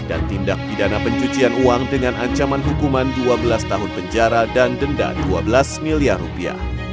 tindak pidana pencucian uang dengan ancaman hukuman dua belas tahun penjara dan denda dua belas miliar rupiah